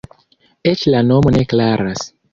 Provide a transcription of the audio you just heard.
Eĉ la nomo ne klaras.